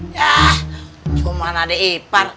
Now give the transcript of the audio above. yah cuman adik ipar